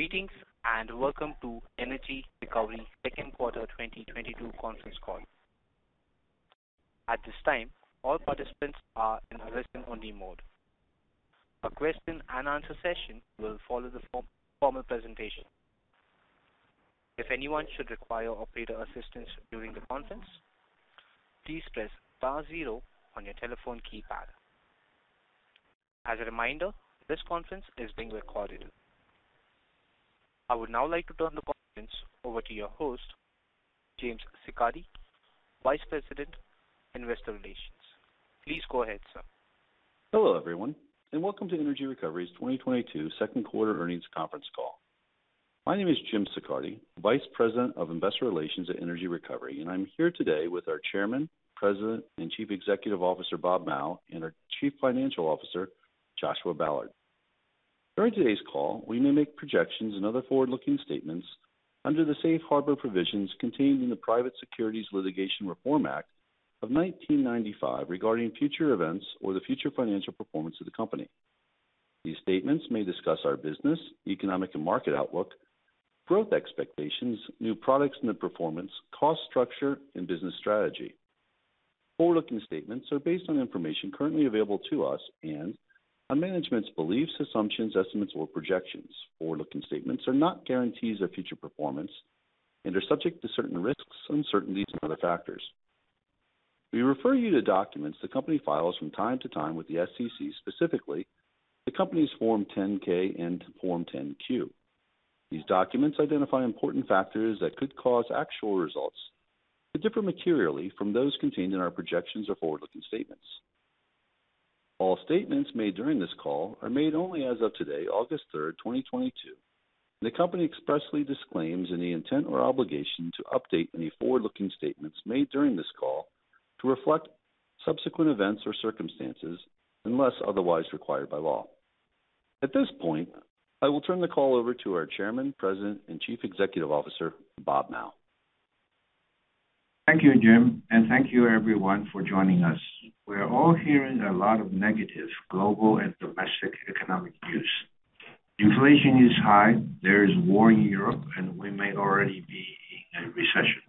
Greetings and welcome to Energy Recovery second quarter 2022 conference call. At this time, all participants are in a listen-only mode. A question and answer session will follow the formal presentation. If anyone should require operator assistance during the conference, please press star zero on your telephone keypad. As a reminder, this conference is being recorded. I would now like to turn the conference over to your host, James Siccardi, Vice President, Investor Relations. Please go ahead, sir. Hello, everyone and welcome to Energy Recovery's 2022 second quarter earnings conference call. My name is James Siccardi, Vice President of Investor Relations at Energy Recovery and I'm here today with our Chairman, President and Chief Executive Officer, Bob Mao and our Chief Financial Officer, Joshua Ballard. During today's call, we may make projections and other forward-looking statements under the safe harbor provisions contained in the Private Securities Litigation Reform Act of 1995 regarding future events or the future financial performance of the company. These statements may discuss our business, economic and market outlook, growth expectations, new products and their performance, cost structure and business strategy. Forward-looking statements are based on information currently available to us and on management's beliefs, assumptions, estimates or projections. Forward-looking statements are not guarantees of future performance and are subject to certain risks, uncertainties and other factors. We refer you to documents the company files from time to time with the SEC, specifically the company's Form 10-K and Form 10-Q. These documents identify important factors that could cause actual results to differ materially from those contained in our projections or forward-looking statements. All statements made during this call are made only as of today 3 August 2022. The company expressly disclaims any intent or obligation to update any forward-looking statements made during this call to reflect subsequent events or circumstances unless otherwise required by law. At this point, I will turn the call over to our Chairman, President and Chief Executive Officer, Robert Mao. Thank you, Jim and thank you everyone for joining us. We are all hearing a lot of negative global and domestic economic news. Inflation is high, there is war in Europe and we may already be in a recession.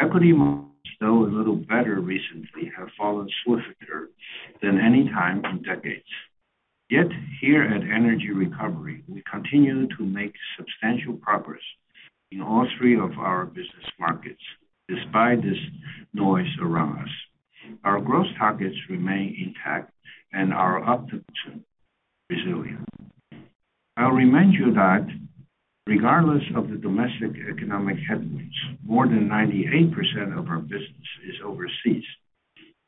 Equity markets, though a little better recently, have fallen swifter than any time in decades. Yet here at Energy Recovery, we continue to make substantial progress in all three of our business markets despite this noise around us. Our growth targets remain intact and are up, too, resilient. I'll remind you that regardless of the domestic economic headwinds, more than 98% of our business is overseas.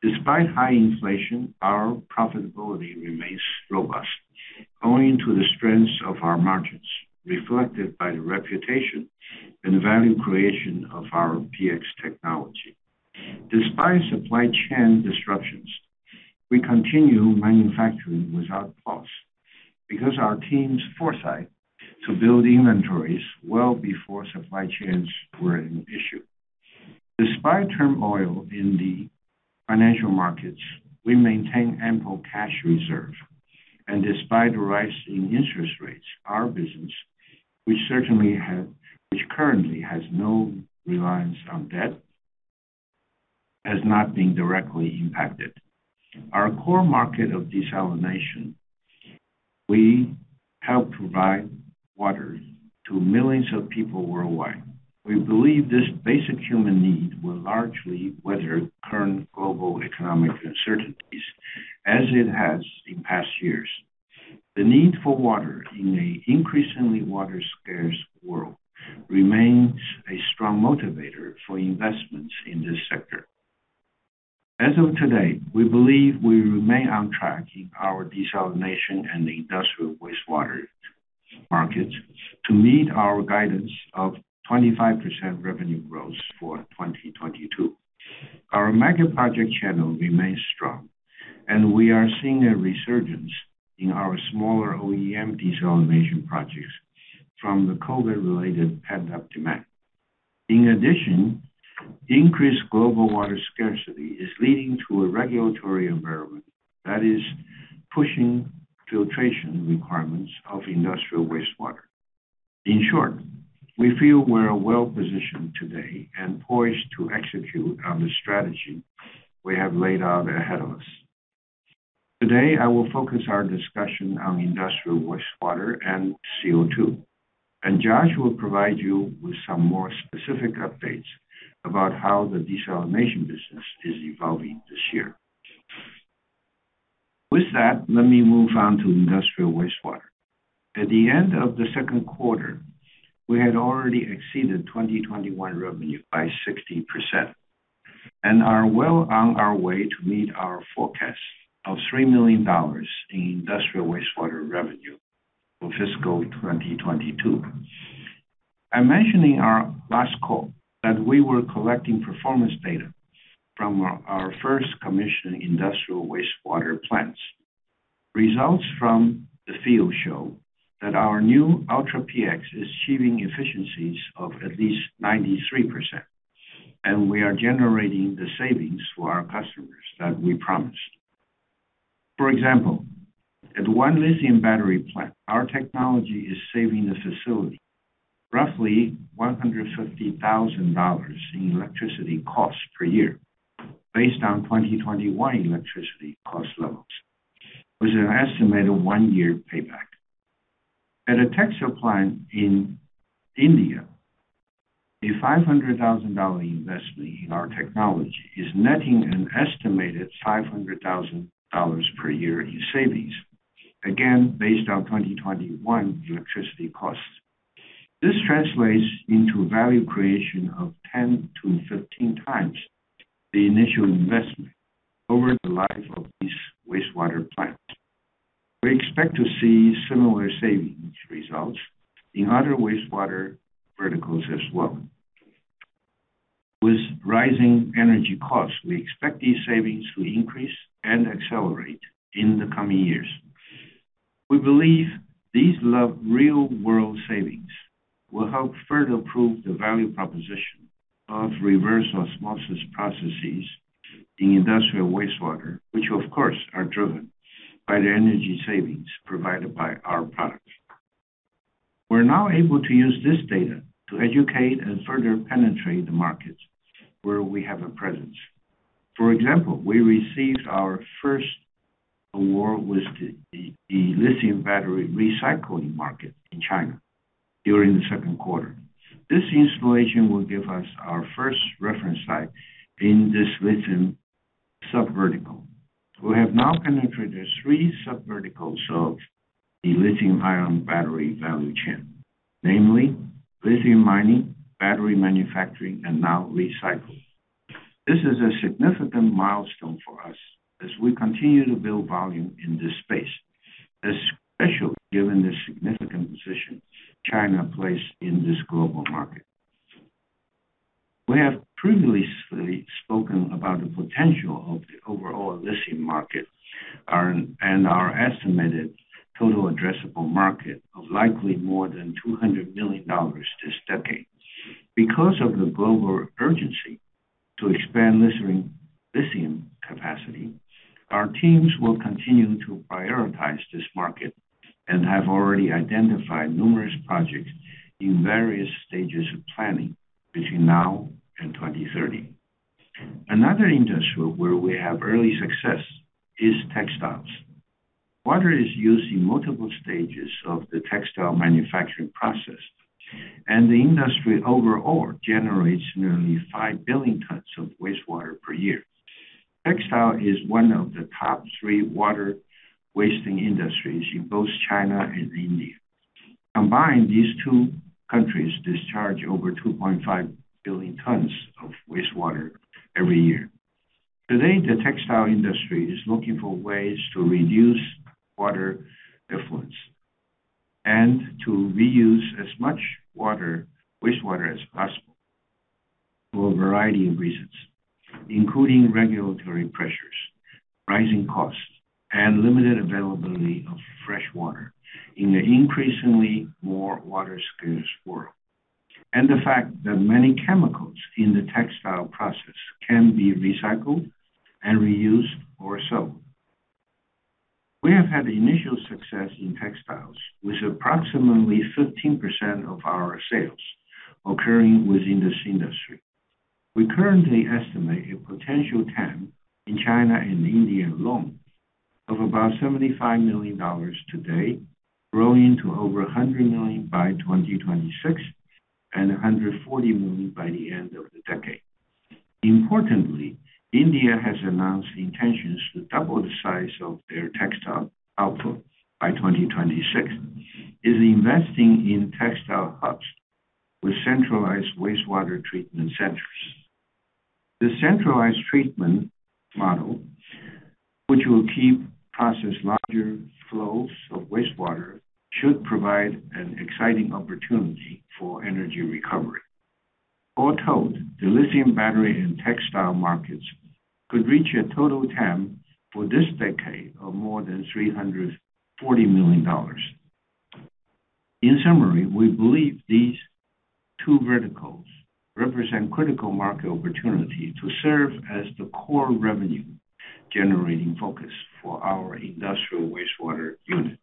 Despite high inflation, our profitability remains robust owing to the strength of our margins reflected by the reputation and value creation of our PX technology. Despite supply chain disruptions, we continue manufacturing without pause because our team's foresight to build inventories well before supply chains were an issue. Despite turmoil in the financial markets, we maintain ample cash reserve. Despite the rise in interest rates, our business, which currently has no reliance on debt, has not been directly impacted. Our core market of desalination. We help provide water to millions of people worldwide. We believe this basic human need will largely weather current global economic uncertainties, as it has in past years. The need for water in an increasingly water-scarce world remains a strong motivator for investments in this sector. As of today, we believe we remain on track in our desalination and industrial wastewater markets to meet our guidance of 25% revenue growth for 2022. Our megaproject channel remains strong and we are seeing a resurgence in our smaller OEM desalination projects from the COVID-related pent-up demand. In addition, increased global water scarcity is leading to a regulatory environment that is pushing filtration requirements of industrial wastewater. In short, we feel we're well-positioned today and poised to execute on the strategy we have laid out ahead of us. Today, I will focus our discussion on industrial wastewater and CO2 and Josh will provide you with some more specific updates about how the desalination business is evolving this year. With that, let me move on to industrial wastewater. At the end of the second quarter, we had already exceeded 2021 revenue by 60% and are well on our way to meet our forecast of $3 million in industrial wastewater revenue for fiscal 2022. I mentioned in our last call that we were collecting performance data from our first commissioned industrial wastewater plants. Results from the field show that our new Ultra PX is achieving efficiencies of at least 93% and we are generating the savings for our customers that we promised. For example, at one lithium battery plant, our technology is saving the facility roughly $150,000 in electricity costs per year based on 2021 electricity cost levels, with an estimated one-year payback. At a textile plant in India, a $500,000 investment in our technology is netting an estimated $500,000 per year in savings, again, based on 2021 electricity costs. This translates into value creation of 10-15 times the initial investment over the life of these wastewater plants. We expect to see similar savings results in other wastewater verticals as well. With rising energy costs, we expect these savings to increase and accelerate in the coming years. We believe these real-world savings will help further prove the value proposition of reverse osmosis processes in industrial wastewater, which of course, are driven by the energy savings provided by our products. We're now able to use this data to educate and further penetrate the markets where we have a presence. For example, we received our first award with the lithium battery recycling market in China during the second quarter. This installation will give us our first reference site in this lithium sub-vertical. We have now penetrated the three sub-verticals of the lithium ion battery value chain, namely lithium mining, battery manufacturing and now recycling. This is a significant milestone for us as we continue to build volume in this space, especially given the significant position China plays in this global market. We have previously spoken about the potential of the overall lithium market and our estimated total addressable market of likely more than $200 million this decade. Because of the global urgency to expand lithium capacity, our teams will continue to prioritize this market and have already identified numerous projects in various stages of planning between now and 2030. Another industry where we have early success is textiles. Water is used in multiple stages of the textile manufacturing process and the industry overall generates nearly 5 billion tons of wastewater per year. Textile is one of the top three water-wasting industries in both China and India. Combined, these two countries discharge over 2.5 billion tons of wastewater every year. Today, the textile industry is looking for ways to reduce water effluent and to reuse as much water, wastewater as possible for a variety of reasons, including regulatory pressures, rising costs and limited availability of fresh water in an increasingly more water-scarce world and the fact that many chemicals in the textile process can be recycled and reused or sold. We have had initial success in textiles, with approximately 15% of our sales occurring within this industry. We currently estimate a potential TAM in China and India alone of about $75 million today, growing to over $100 million by 2026 and $140 million by the end of the decade. Importantly, India has announced intentions to double the size of their textile output by 2026, is investing in textile hubs with centralized wastewater treatment centers. The centralized treatment model, which will process larger flows of wastewater, should provide an exciting opportunity for Energy Recovery. All told, the lithium battery and textile markets could reach a total TAM for this decade of more than $340 million. In summary, we believe these two verticals represent critical market opportunity to serve as the core revenue-generating focus for our industrial wastewater unit.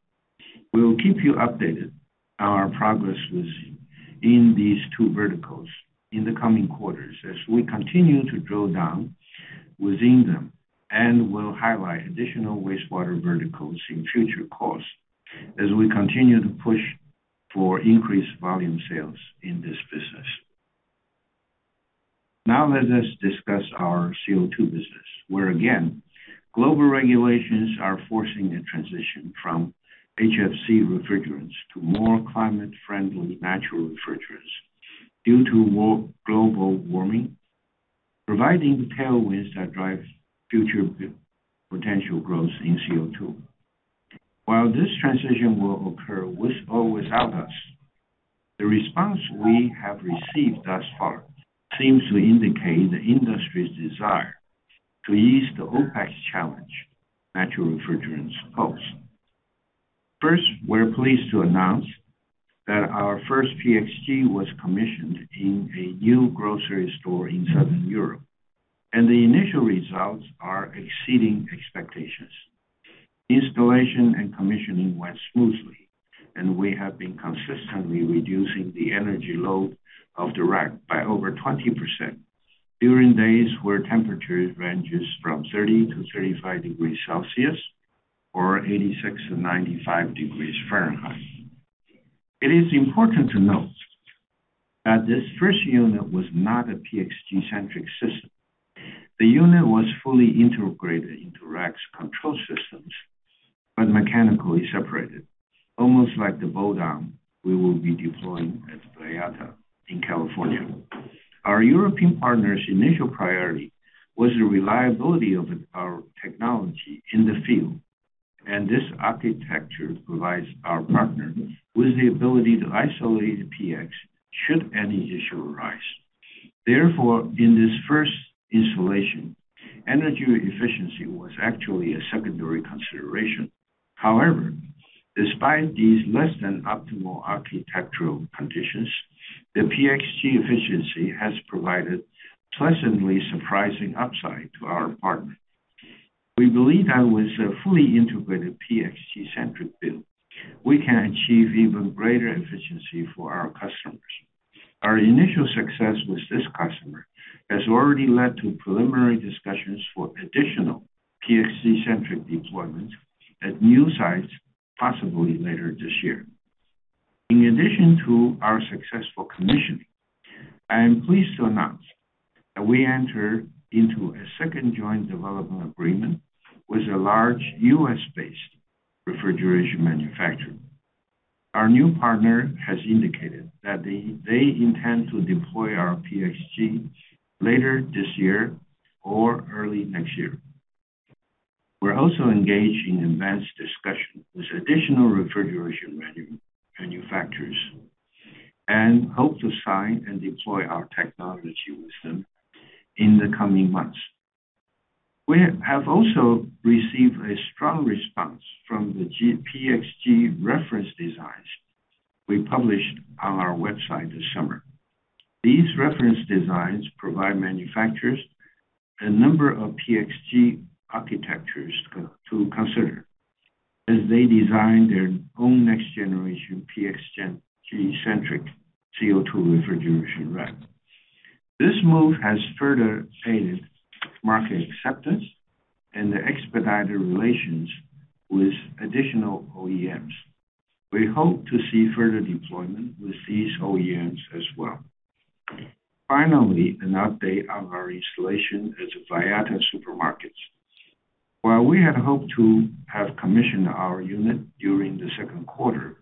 We will keep you updated on our progress within these two verticals in the coming quarters as we continue to drill down within them and we'll highlight additional wastewater verticals in future calls as we continue to push for increased volume sales in this business. Now let us discuss our CO2 business, where again, global regulations are forcing a transition from HFC refrigerants to more climate-friendly natural refrigerants due to global warming, providing the tailwinds that drive future potential growth in CO2. While this transition will occur with or without us, the response we have received thus far seems to indicate the industry's desire to ease the OPEX challenge natural refrigerants pose. First, we're pleased to announce that our first PXG was commissioned in a new grocery store in Southern Europe and the initial results are exceeding expectations. Installation and commissioning went smoothly and we have been consistently reducing the energy load of the rack by over 20% during days where temperatures ranges from 30-35 degrees Celsius or 86-95 degrees Fahrenheit. It is important to note that this first unit was not a PXG-centric system. The unit was fully integrated into rack's control systems but mechanically separated, almost like the bolt-on we will be deploying at Vallarta in California. Our European partner's initial priority was the reliability of our technology in the field and this architecture provides our partner with the ability to isolate the PX should any issue arise. Therefore, in this first installation, energy efficiency was actually a secondary consideration. However, despite these less than optimal architectural conditions, the PXG efficiency has provided pleasantly surprising upside to our partner. We believe that with a fully integrated PXG-centric build, we can achieve even greater efficiency for our customers. Our initial success with this customer has already led to preliminary discussions for additional PXG-centric deployments at new sites, possibly later this year. In addition to our successful commissioning, I am pleased to announce that we enter into a second joint development agreement with a large U.S.-based refrigeration manufacturer. Our new partner has indicated that they intend to deploy our PXG later this year or early next year. We're also engaged in advanced discussions with additional refrigeration manufacturers and hope to sign and deploy our technology with them in the coming months. We have also received a strong response from the PXG reference designs we published on our website this summer. These reference designs provide manufacturers a number of PXG architectures to consider as they design their own next-generation PXG-centric CO2 refrigeration rack. This move has further aided market acceptance and expedited relations with additional OEMs. We hope to see further deployment with these OEMs as well. Finally, an update on our installation at the Vallarta Supermarkets. While we had hoped to have commissioned our unit during the second quarter,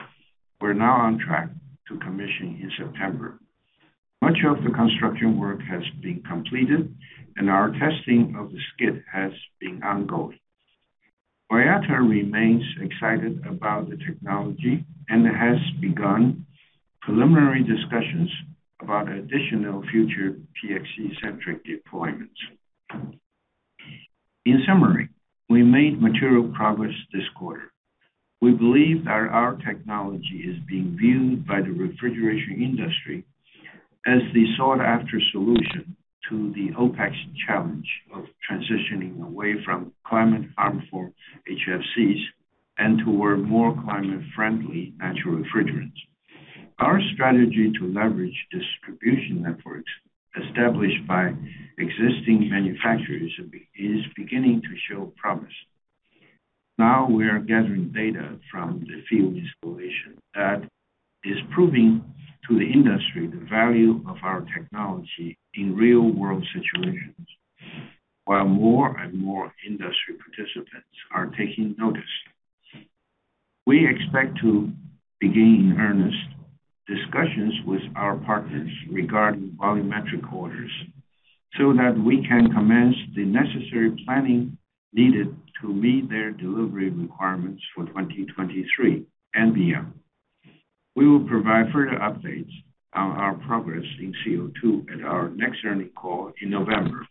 we're now on track to commission in September. Much of the construction work has been completed and our testing of the skid has been ongoing. Vallarta remains excited about the technology and has begun preliminary discussions about additional future PXG-centric deployments. In summary, we made material progress this quarter. We believe that our technology is being viewed by the refrigeration industry as the sought-after solution to the OPEX challenge of transitioning away from climate harmful HFCs and toward more climate-friendly natural refrigerants. Our strategy to leverage distribution networks established by existing manufacturers is beginning to show promise. Now we are gathering data from the field installation that is proving to the industry the value of our technology in real-world situations, while more and more industry participants are taking notice. We expect to begin in earnest discussions with our partners regarding volumetric orders so that we can commence the necessary planning needed to meet their delivery requirements for 2023 and beyond. We will provide further updates on our progress in CO2 at our next earnings call in November,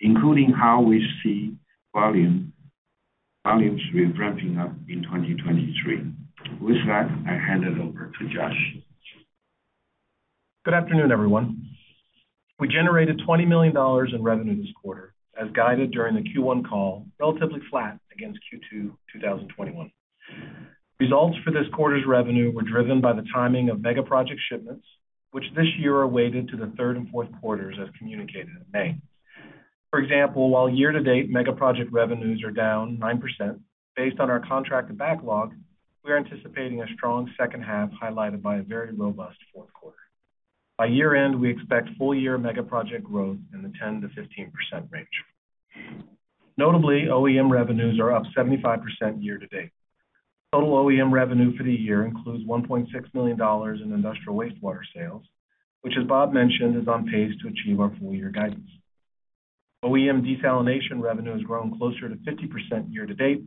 including how we see volume, volumes will be ramping up in 2023. With that, I hand it over to Josh. Good afternoon, everyone. We generated $20 million in revenue this quarter as guided during the Q1 call, relatively flat against Q2 2021. Results for this quarter's revenue were driven by the timing of mega project shipments, which this year are weighted to the third and fourth quarters, as communicated in May. For example, while year-to-date mega project revenues are down 9% based on our contracted backlog, we're anticipating a strong second half, highlighted by a very robust fourth quarter. By year-end, we expect full-year mega project growth in the 10%-15% range. Notably, OEM revenues are up 75% year-to-date. Total OEM revenue for the year includes $1.6 million in industrial wastewater sales, which, as Bob mentioned, is on pace to achieve our full-year guidance. OEM desalination revenue has grown closer to 50% year-to-date,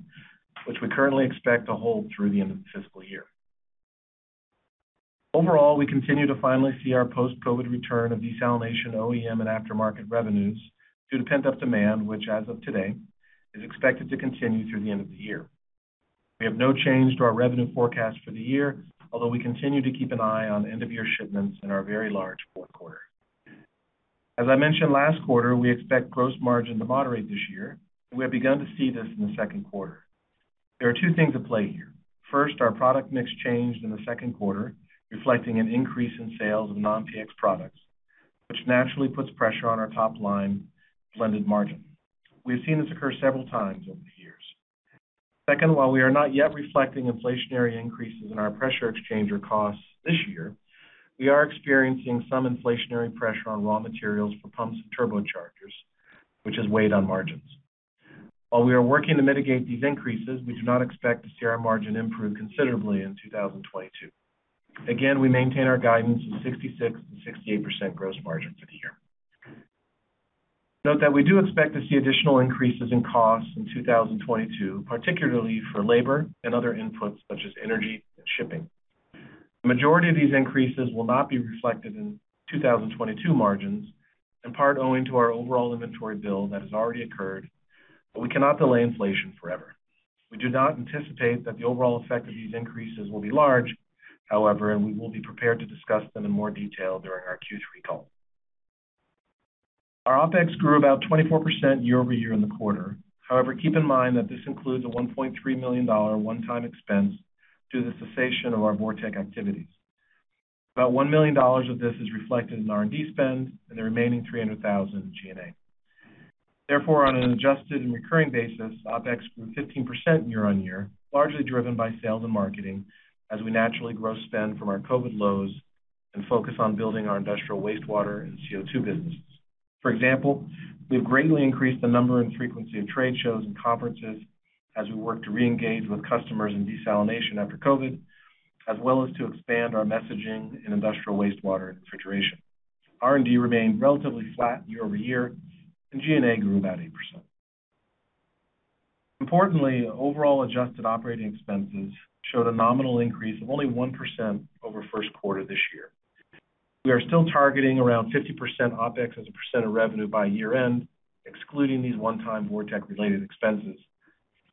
which we currently expect to hold through the end of the fiscal year. Overall, we continue to finally see our post-COVID return of desalination OEM and aftermarket revenues due to pent-up demand, which as of today is expected to continue through the end of the year. We have no change to our revenue forecast for the year, although we continue to keep an eye on end of year shipments in our very large fourth quarter. As I mentioned last quarter, we expect gross margin to moderate this year and we have begun to see this in the second quarter. There are two things at play here. First, our product mix changed in the second quarter, reflecting an increase in sales of non-PX products, which naturally puts pressure on our top-line blended margin. We have seen this occur several times over the years. Second, while we are not yet reflecting inflationary increases in our pressure exchanger costs this year, we are experiencing some inflationary pressure on raw materials for pumps and turbochargers, which has weighed on margins. While we are working to mitigate these increases, we do not expect to see our margin improve considerably in 2022. Again, we maintain our guidance of 66%-68% gross margin for the year. Note that we do expect to see additional increases in costs in 2022, particularly for labor and other inputs such as energy and shipping. The majority of these increases will not be reflected in 2022 margins, in part owing to our overall inventory build that has already occurred but we cannot delay inflation forever. We do not anticipate that the overall effect of these increases will be large, however and we will be prepared to discuss them in more detail during our Q3 call. Our OPEX grew about 24% year-over-year in the quarter. However, keep in mind that this includes a $1.3 million one-time expense due to the cessation of our VorTeq activities. About $1 million of this is reflected in R&D spend and the remaining $300,000 in G&A. Therefore, on an adjusted and recurring basis, OPEX grew 15% year-over-year, largely driven by sales and marketing as we naturally grow spend from our COVID lows and focus on building our industrial wastewater and CO2 businesses. For example, we've greatly increased the number and frequency of trade shows and conferences as we work to reengage with customers in desalination after COVID, as well as to expand our messaging in industrial wastewater and refrigeration. R&D remained relatively flat year-over-year and G&A grew about 8%. Importantly, overall adjusted operating expenses showed a nominal increase of only 1% over first quarter this year. We are still targeting around 50% OpEx as a percent of revenue by year end, excluding these one-time VorTeq related expenses,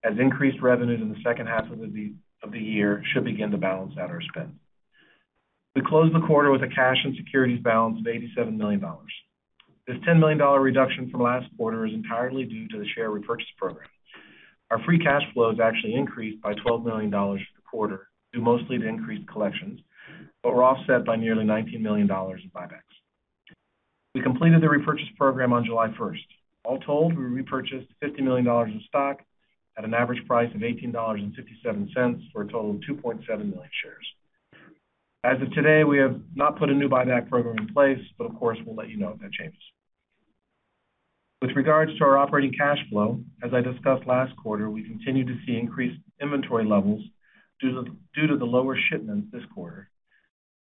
as increased revenues in the second half of the year should begin to balance out our spend. We closed the quarter with a cash and securities balance of $87 million. This $10 million reduction from last quarter is entirely due to the share repurchase program. Our free cash flow has actually increased by $12 million for the quarter, due mostly to increased collections but were offset by nearly $19 million in buybacks. We completed the repurchase program on 1 July. All told, we repurchased $50 million in stock at an average price of $18.57 for a total of 2.7 million shares. As of today, we have not put a new buyback program in place but of course, we'll let you know if that changes. With regards to our operating cash flow, as I discussed last quarter, we continue to see increased inventory levels due to the lower shipments this quarter.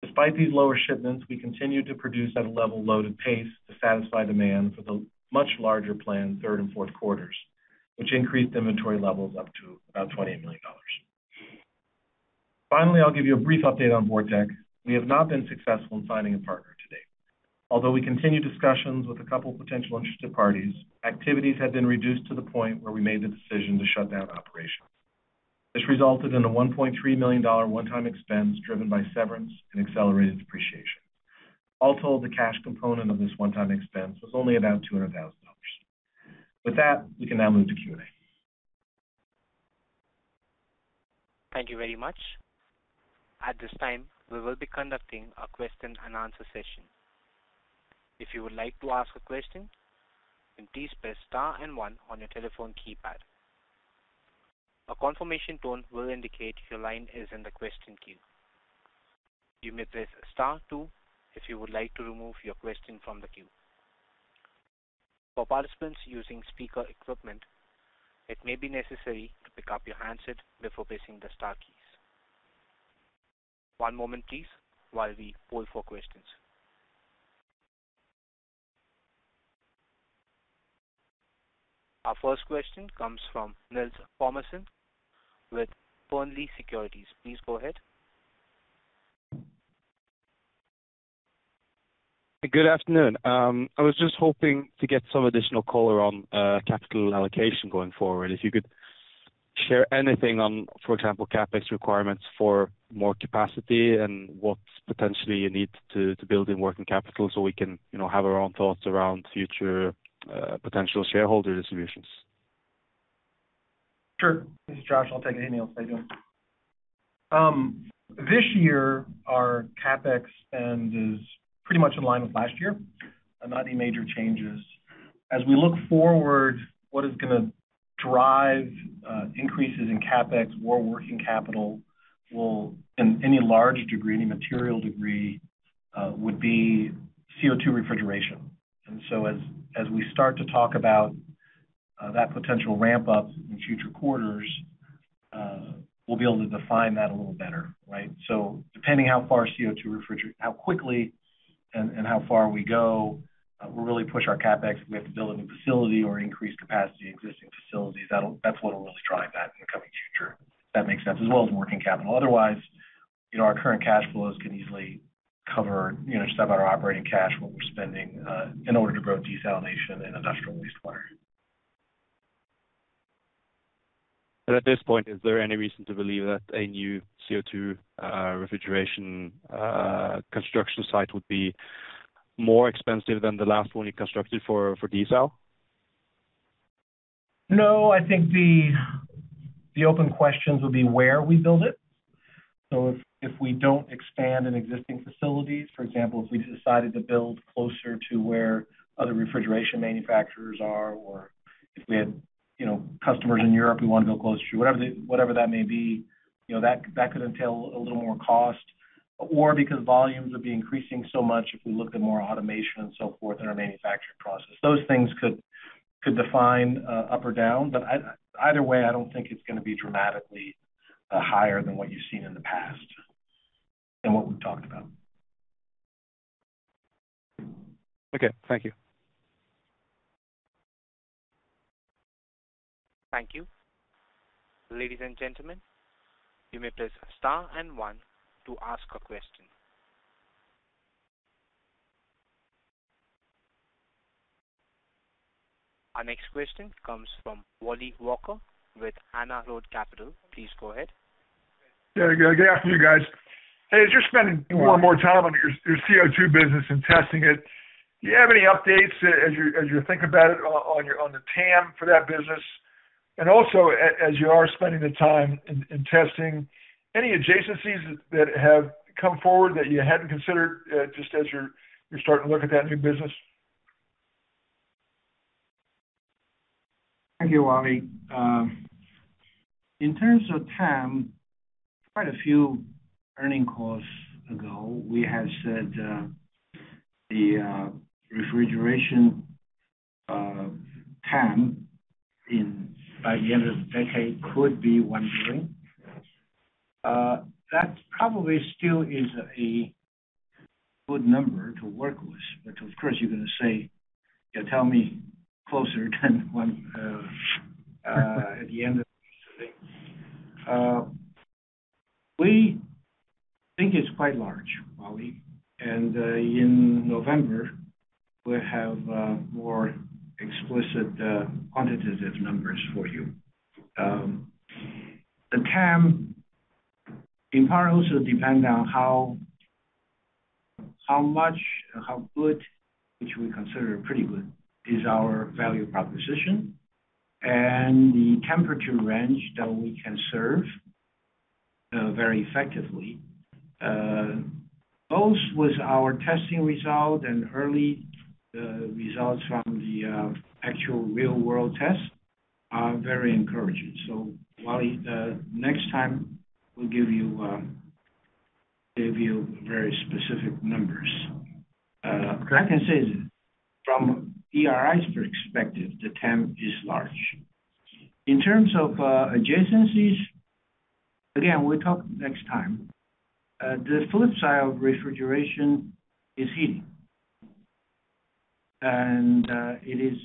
Despite these lower shipments, we continue to produce at a level loaded pace to satisfy demand for the much larger planned third and fourth quarters, which increased inventory levels up to about $28 million. Finally, I'll give you a brief update on VorTeq. We have not been successful in finding a partner to date. Although we continue discussions with a couple of potential interested parties, activities have been reduced to the point where we made the decision to shut down operations. This resulted in a $1.3 million one-time expense driven by severance and accelerated depreciation. All told, the cash component of this one-time expense was only about $200,000. With that, we can now move to Q&A. Thank you very much. At this time, we will be conducting a question and answer session. If you would like to ask a question, then please press star and one on your telephone keypad. A confirmation tone will indicate your line is in the question queue. You may press star two if you would like to remove your question from the queue. For participants using speaker equipment, it may be necessary to pick up your handset before pressing the star keys. One moment please while we poll for questions. Our first question comes from Nils Thommessen with Fearnley Securities. Please go ahead. Good afternoon. I was just hoping to get some additional color on capital allocation going forward. If you could share anything on, for example, CapEx requirements for more capacity and what potentially you need to build in working capital so we can, you know, have our own thoughts around future potential shareholder distributions. Sure. This is Josh. I'll take it, Nils. How you doing? This year, our CapEx spend is pretty much in line with last year. Not any major changes. As we look forward, what is gonna drive increases in CapEx or working capital will in any large degree, any material degree, would be CO2 refrigeration. As we start to talk about that potential ramp up in future quarters, we'll be able to define that a little better, right? Depending on how quickly and how far we go, we really push our CapEx. If we have to build a new facility or increase capacity in existing facilities, that's what will really drive that in the coming future. If that makes sense. As well as working capital. Otherwise, you know, our current cash flows can easily cover, you know, just about our operating cash, what we're spending in order to grow desalination and industrial wastewater. At this point, is there any reason to believe that a new CO2 refrigeration construction site would be more expensive than the last one you constructed for desal? No, I think the open questions will be where we build it. If we don't expand in existing facilities, for example, if we decided to build closer to where other refrigeration manufacturers are or if we had, you know, customers in Europe we wanna go closer to, whatever that may be, you know, that could entail a little more cost. Because volumes would be increasing so much, if we looked at more automation and so forth in our manufacturing process. Those things could define up or down but either way, I don't think it's gonna be dramatically higher than what you've seen in the past than what we've talked about. Okay, thank you. Thank you. Ladies and gentlemen, you may press star and one to ask a question. Our next question comes from Wally Walker with Hana Road Capital. Please go ahead. Yeah, good afternoon, guys. Hey, as you're spending more and more time on your CO2 business and testing it, do you have any updates as you're thinking about it on the TAM for that business? Also as you are spending the time in testing, any adjacencies that have come forward that you hadn't considered, just as you're starting to look at that new business? Thank you, Wally. In terms of TAM, quite a few earnings calls ago, we had said the refrigeration TAM by the end of the decade could be $1 billion. That probably still is a good number to work with. Of course, you're gonna say, you know, tell me closer than when at the end of this thing. We think it's quite large, Wally and in November, we'll have more explicit quantitative numbers for you. The TAM in part also depends on how much, how good, which we consider pretty good, is our value proposition and the temperature range that we can serve very effectively. Both with our testing results and early results from the actual real world tests are very encouraging. Wally, next time we'll give you very specific numbers. What I can say is from ERII's perspective, the TAM is large. In terms of adjacencies, again, we'll talk next time. The flip side of refrigeration is heating. It is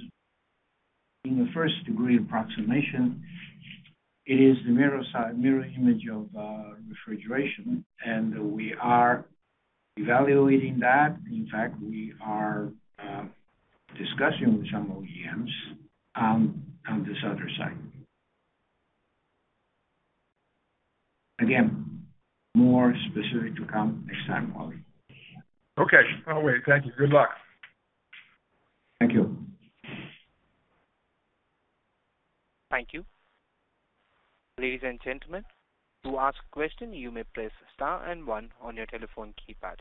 in the first degree approximation, it is the mirror image of refrigeration and we are evaluating that. In fact, we are discussing with some OEMs on this other side. Again, more specific to come next time, Wally. Okay. Can't wait. Thank you. Good luck. Thank you. Thank you. Ladies and gentlemen, to ask a question, you may press star and one on your telephone keypad.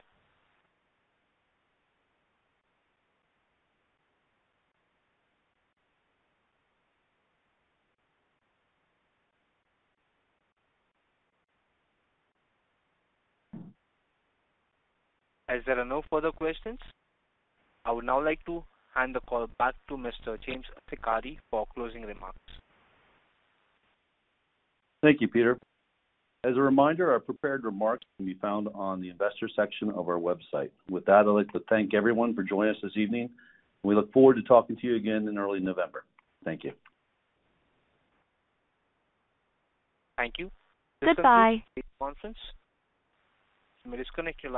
As there are no further questions, I would now like to hand the call back to Mr. James Siccardi for closing remarks. Thank you, Peter. As a reminder, our prepared remarks can be found on the investors section of our website. With that, I'd like to thank everyone for joining us this evening and we look forward to talking to you again in early November. Thank you. Thank you. This concludes today's conference. You may disconnect your lines.